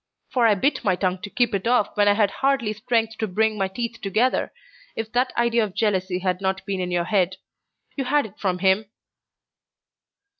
for I bit my tongue to keep it off when I had hardly strength to bring my teeth together if that idea of jealousy had not been in your head. You had it from him."